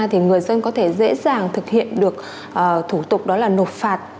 thì người dân có thể dễ dàng thực hiện được thủ tục đó là nộp phạt